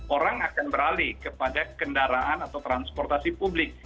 orang akan beralih kepada kendaraan atau transportasi publik